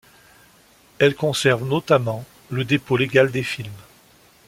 Elle conserve notamment le dépôt légal des films.